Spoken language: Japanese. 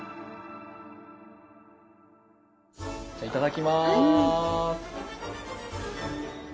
じゃあいただきます。